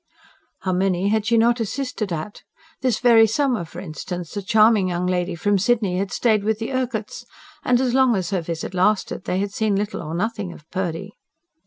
How many had she not assisted at! This very summer, for instance, a charming young lady from Sydney had stayed with the Urquharts; and, as long as her visit lasted, they had seen little or nothing of Purdy.